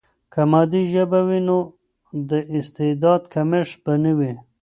که مادي ژبه وي، نو د استعداد کمښت به نه وي.